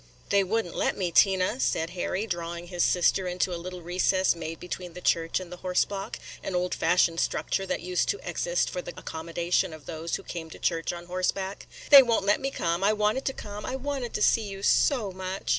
"They would n't let me, Tina," said Harry, drawing his sister into a little recess made between the church and the horse block, – an old fashioned structure that used to exist for the accommodation of those who came to church on horseback. "They won't let me come. I wanted to come, – I wanted to see you so much!"